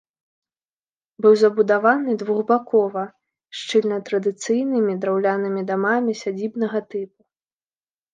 Быў забудаваны двухбакова, шчыльна традыцыйнымі драўлянымі дамамі сядзібнага тыпу.